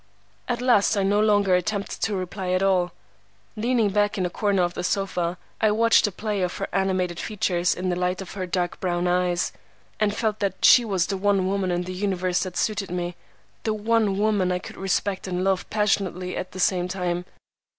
At last I no longer attempted to reply at all. Leaning back in a corner of the sofa, I watched the play of her animated features and the light of her dark brown eyes, and felt that she was the one woman in the universe that suited me, the one woman I could respect and love passionately at the same time.